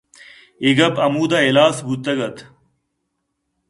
اے گپ ہمودا ہلاس بوتگ اَت